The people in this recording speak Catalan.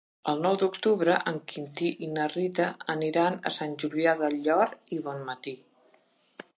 El nou d'octubre en Quintí i na Rita aniran a Sant Julià del Llor i Bonmatí.